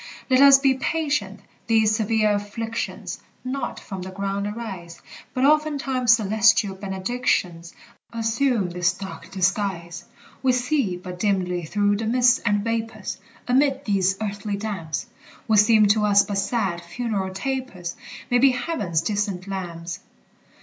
Let us be patient! These severe afflictions Not from the ground arise, But oftentimes celestial benedictions Assume this dark disguise. We see but dimly through the mists and vapors; Amid these earthly damps What seem to us but sad, funereal tapers May be heaven's distant lamps.